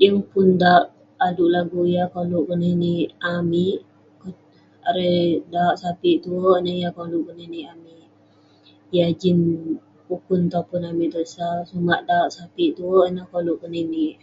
yeng pun dauwk ade' lagu yah koluk keninik amik, erei..dauwk sape' tuwerk ineh neh yah koluk keninik amik..yah jin ukun topun amik tesau. Sumak dauwk sape' tuwerk ineh koluk keninik..